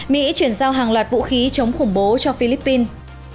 mỹ chuyển giao hàng loạt vũ khí chống khủng bố cho philippines